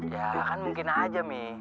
ya kan mungkin aja nih